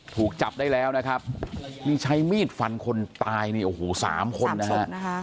ถูกจับได้แล้วนะครับนี่ใช้มีดฟันคนตายนี่โอ้โหสามคนนะฮะ